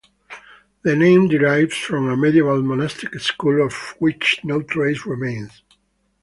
The name derives from a medieval monastic school, of which no trace remains.